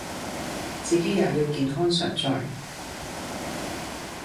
自己也要健康常在